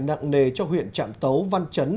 nặng nề cho huyện trạm tấu văn chấn